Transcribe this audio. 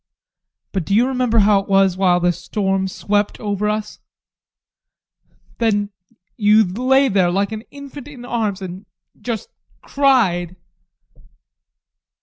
But do you remember how it was while the storm swept over us? Then you lay there like an infant in arms and just cried.